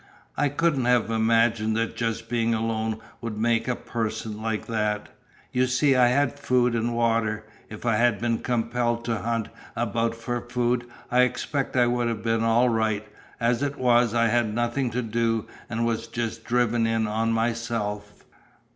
I couldn't have imagined that just being alone would make a person like that. You see I had food and water. If I had been compelled to hunt about for food I expect I would have been all right, as it was I had nothing to do and was just driven in on myself."